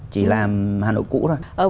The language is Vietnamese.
chỉ làm hà nội cũ thôi